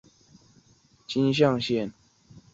这个航向通常称作径向线。